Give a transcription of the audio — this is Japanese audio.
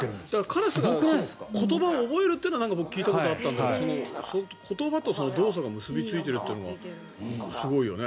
カラスが言葉を覚えるのは聞いたことあったんだけど言葉と動作が結びついてるのがすごいよね。